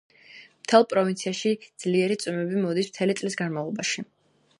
მთელ პროვინციაში ძლიერი წვიმები მოდის მთელი წლის განმავლობაში.